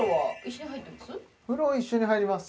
風呂一緒に入ります